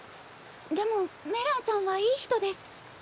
でもメランさんはいい人です。